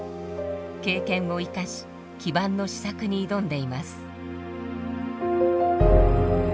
経験を生かし基板の試作に挑んでいます。